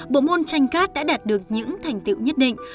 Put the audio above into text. bộ môn tranh cát đã đạt được những thành tiệu nhất định